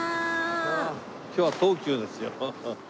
今日は東急ですよ。